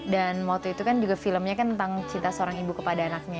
dan waktu itu kan juga filmnya kan tentang cinta seorang ibu kepada anaknya